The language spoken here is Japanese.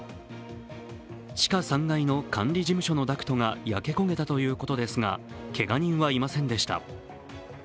地下３階の管理事務所のダクトが焼け焦げたということですが、けが人はいませんでした。